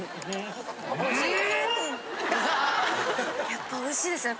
やっぱおいしいですね。